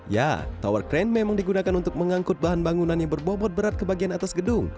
ya tower crane memang digunakan untuk mengangkut bahan bangunan yang berbobot berat ke bagian atas gedung